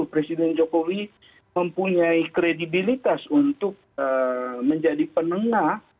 presiden jokowi mempunyai kredibilitas untuk menjadi penengah